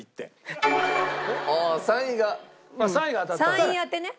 ３位が当たったらね。